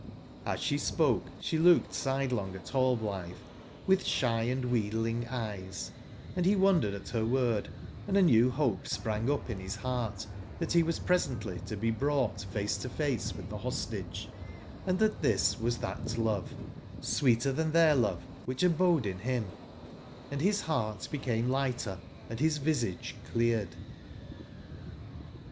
"Hs she spoke she looked side Ion gat r)allblithe, with shy andwheedling eyes; and he wondered at her word, and a new hope sprang up in his heart that he was presently to be brought face to face with the Hostage, and that this was that love, sweeter than their love, which abode in him, and his heart became lighter, and his visage cleared.